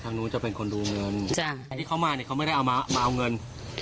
นู้นจะเป็นคนดูเงินไอ้ที่เขามาเนี่ยเขาไม่ได้เอามาเอาเงิน